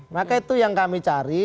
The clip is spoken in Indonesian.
maka itu yang kami cari